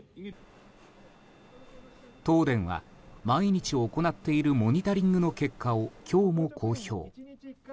東電は毎日行っているモニタリングの結果を今日も公表。